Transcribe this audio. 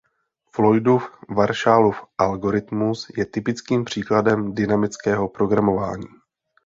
Floydův–Warshallův algoritmus je typickým příkladem dynamického programování.